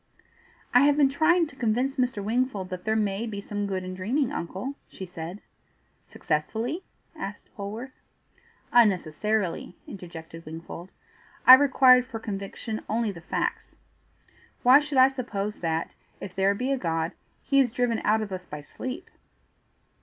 "I have been trying to convince Mr. Wingfold that there MAY be some good in dreaming, uncle," she said. "Successfully?" asked Polwarth. "Unnecessarily," interjected Wingfold. "I required for conviction only the facts. Why should I suppose that, if there be a God, he is driven out of us by sleep?"